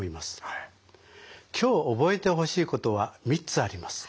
今日覚えてほしいことは３つあります。